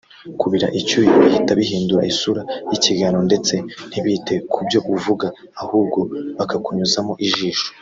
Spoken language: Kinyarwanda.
kubira icyuya bihita bihindura isura y’ikiganiro ndetse ntibite ku byo uvuga ahubwo bakakunyuzamo ijisho